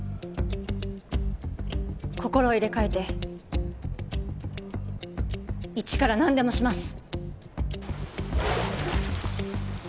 心を入れ替えて一からなんでもします。